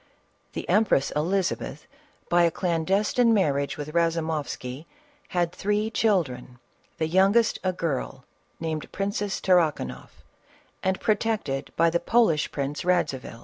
The empress Elizabeth, by a clandestine marriage with Eazumoifsky, had three children ; the youngest a girl named princess Tarrakanoff and protected by the Polish Prince Eadzivil.